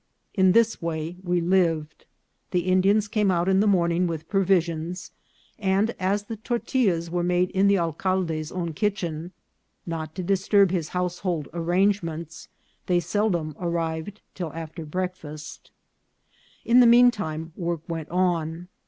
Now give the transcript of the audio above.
In this way we lived : the Indians came out in the morning with provisions, and as the tortillas were made in the alcalde's own kitchen, not to disturb his house hold arrangements, they seldom arrived till after break fast. In the mean time work went on.